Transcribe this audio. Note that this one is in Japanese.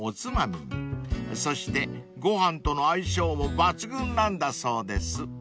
［そしてご飯との相性も抜群なんだそうです］